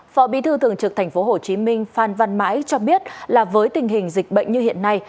phó bí thư thường trực tp hcm phan văn mãi cho biết là với tình hình dịch bệnh như hiện nay